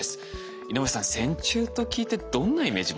井上さん「線虫」と聞いてどんなイメージを持ちますか？